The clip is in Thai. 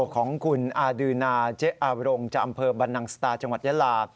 ของคุณอาดือนาเจ๊อารงจากอำเภอบรรนังสตาจังหวัดยาลา